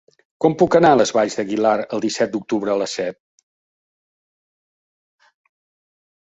Com puc anar a les Valls d'Aguilar el disset d'octubre a les set?